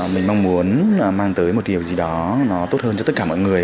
mình mong muốn mang tới một điều gì đó nó tốt hơn cho tất cả mọi người